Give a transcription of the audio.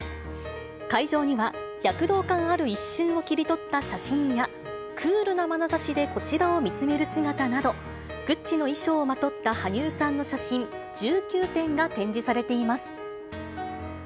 会場には、躍動感ある一瞬を切り取った写真や、クールなまなざしでこちらを見つめる姿など、グッチの衣装をまとった羽生さんの写真１９点が展示されています。